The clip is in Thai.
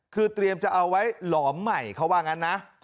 คือเตรียมจะเอาไว้หลอมใหม่เขาว่างั้นนะ